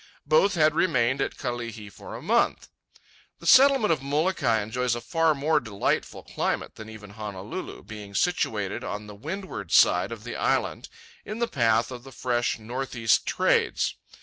Both had remained at Kalihi for a month. The Settlement of Molokai enjoys a far more delightful climate than even Honolulu, being situated on the windward side of the island in the path of the fresh north east trades.